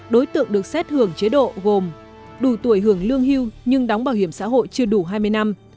đối tượng được xét hưởng chế độ gồm đủ tuổi hưởng lương hưu nhưng đóng bảo hiểm xã hội chưa đủ hai mươi năm